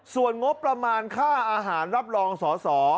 ส่วนงบประมาณค่าอาหารรับรองสอสอ